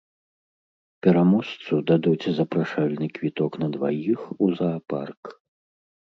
Пераможцу дадуць запрашальны квіток на дваіх у заапарк.